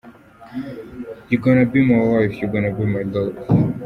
You gon’ be my wife , You gon’ Be my love.